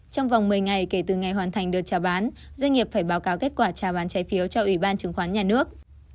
trong vòng một mươi ngày kể từ ngày hoàn thành đợt trả bán doanh nghiệp phải báo cáo kết quả trả bán trái phiếu cho ủy ban chứng khoán nhà nước